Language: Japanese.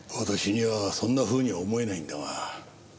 私にはそんなふうに思えないんだが。